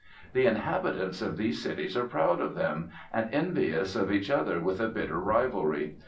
The inhabitants of these cities are proud of them, and envious of each other with a bitter rivalry.